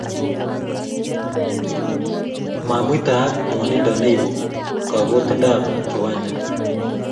mamuitaaka ng'wonindo neibuu kakotindab kiwanja